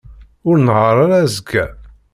Ur nnehheṛ ara azekka.